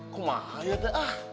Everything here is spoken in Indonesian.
kumah aja teh